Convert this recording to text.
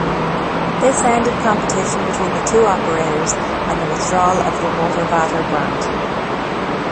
This ended competition between the two operators and the withdrawal of the Motorvator brand.